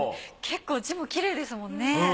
結構字もきれいですもんね。